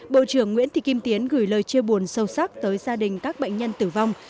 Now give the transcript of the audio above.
bộ trưởng nguyễn thị kim tiến gửi lời chia buồn sâu sắc tới gia đình các bệnh nhân tử vong